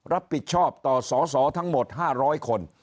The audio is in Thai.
รับผิดชอบต่อสอสอทั้งหมด๕๐๐คน